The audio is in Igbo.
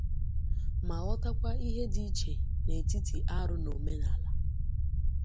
ma ghọtakwa ihe dị iche n'etiti Arụ na Omenala